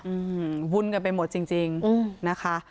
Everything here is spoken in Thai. อืมวุ่นกันไปหมดจริงนะคะ